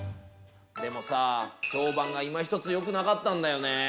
でもさ評判がいまひとつよくなかったんだよね。